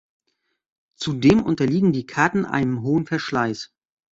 Zudem unterliegen die Karten einem hohen Verschleiß.